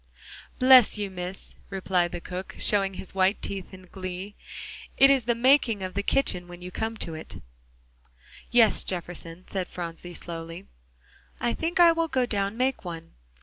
"Bless you, Miss," replied the cook, showing his white teeth in glee, "it is the making of the kitchen when you come it." "Yes, Jefferson," said Phronsie slowly, "I think I will go down make one.